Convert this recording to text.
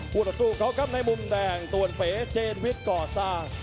คู่ต่อสู้เขาก็ครับในกลุ่มแดงตัวเปรย์เจนวิทย์ก่อซ่าง